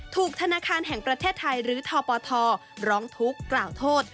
ธนาคารแห่งประเทศไทยหรือทปทร้องทุกข์กล่าวโทษ